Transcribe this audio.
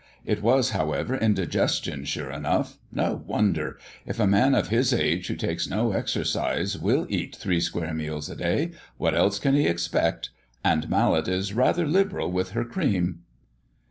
It was, however, indigestion sure enough. No wonder! If a man of his age who takes no exercise will eat three square meals a day, what else can he expect? And Mallet is rather liberal with her cream."